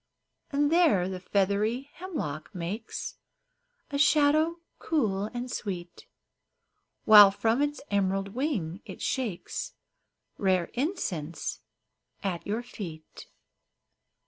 And there the feathery hemlock makes A shadow cool and sweet, While from its emerald wing it shakes Rare incense at your feet.